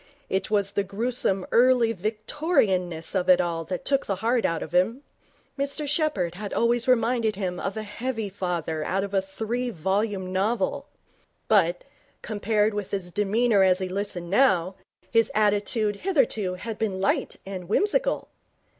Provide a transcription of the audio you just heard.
It was the gruesome Early Victorianness of it all that took the heart out of him. Mr Sheppherd had always reminded him of a heavy father out of a three volume novel, but, compared with his demeanour as he listened now, his attitude hitherto had been light and whimsical.